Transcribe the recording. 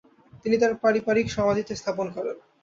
তিনি তার পারিবারিক সমাধিতে স্থাপন করেন।